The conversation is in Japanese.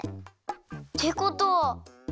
ってことは。